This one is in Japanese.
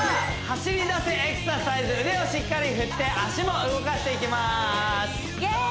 走り出せエクササイズ腕をしっかり振って脚も動かしていきますイエーイ！